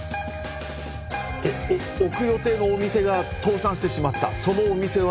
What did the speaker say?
置く予定のお店が倒産してしまった。